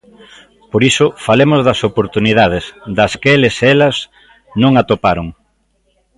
Por iso, falemos das oportunidades, das que eles e elas non atoparon.